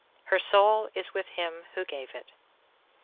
HER SOUL IS WITH HIM WHO GAVE IT.